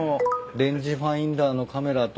レンジファインダーのカメラと。